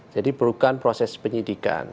jadi bukan proses penyidikan